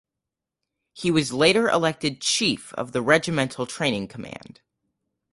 He was later elected chief of the regimental training command.